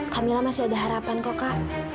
camilla masih ada harapan kok kak